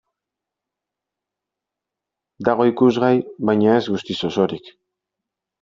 Dago ikusgai, baina ez guztiz osorik.